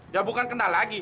ya bukan kenal lagi